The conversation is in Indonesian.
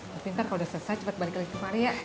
tapi ntar kalau udah selesai cepet balik lagi ke mari ya